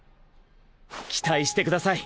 期待してください！